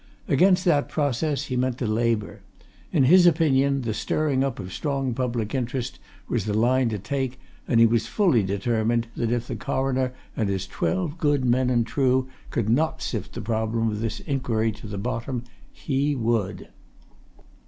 Against that process he meant to labour: in his opinion the stirring up of strong public interest was the line to take, and he was fully determined that if the Coroner and his twelve good men and true could not sift the problem of this inquiry to the bottom he would.